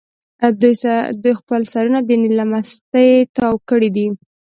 دوی خپل سرونه د نیل له مستۍ تاو کړي دي.